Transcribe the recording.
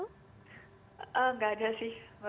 tidak ada sih